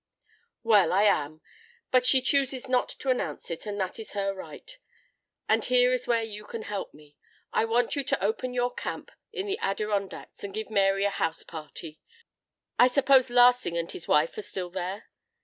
"Well, I am. But she chooses not to announce it and that is her right. And here is where you can help me. I want you to open your camp in the Adirondacks and give Mary a house party. I suppose Larsing and his wife are still there?"